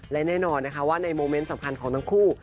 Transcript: และแน่นอนนะคะว่าในโมเมนต์สำคัญของทั้งคู่